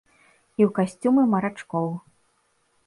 І ў касцюмы марачкоў.